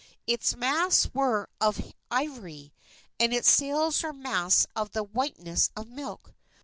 Its masts were of ivory, and its sails were mats of the whiteness of milk.